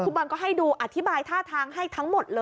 บอลก็ให้ดูอธิบายท่าทางให้ทั้งหมดเลย